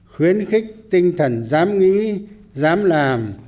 khuyến khích tinh thần dám nghĩ dám làm